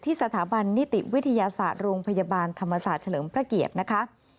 สถาบันนิติวิทยาศาสตร์โรงพยาบาลธรรมศาสตร์เฉลิมพระเกียรตินะคะ